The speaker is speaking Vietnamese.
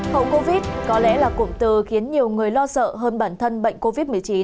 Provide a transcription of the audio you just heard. hậu covid có lẽ là cụm từ khiến nhiều người lo sợ hơn bản thân bệnh covid một mươi chín